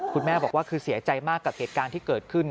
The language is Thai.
คุณแม่บอกว่าคือเสียใจมากกับเหตุการณ์ที่เกิดขึ้น